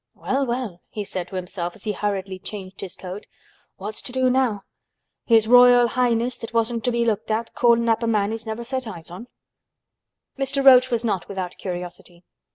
"Well, well," he said to himself as he hurriedly changed his coat, "what's to do now? His Royal Highness that wasn't to be looked at calling up a man he's never set eyes on." Mr. Roach was not without curiosity.